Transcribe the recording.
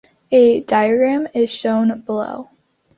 A diagram is shown below.